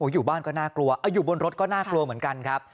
อยู่บ้านก็น่ากลัวอยู่บนรถก็น่ากลัวเหมือนกันครับ